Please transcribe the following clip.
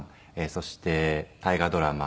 そして大河ドラマ